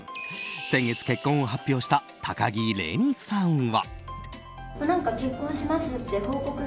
先月、結婚を発表した高城れにさんは。